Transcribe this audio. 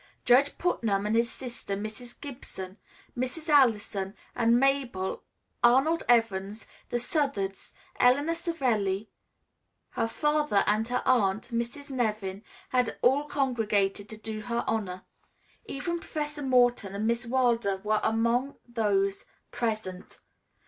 Judge Putnam and his sister, Mrs. Gibson, Mrs. Allison and Mabel, Arnold Evans, the Southards, Eleanor Savelli, her father and her aunt, Miss Nevin, had all congregated to do her honor. Even Professor Morton and Miss Wilder were among those present.